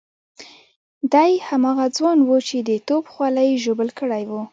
دی هماغه ځوان وو چې د توپ خولۍ ژوبل کړی وو.